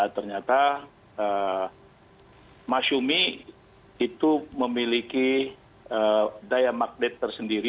ternyata masyumi itu memiliki daya magnet tersendiri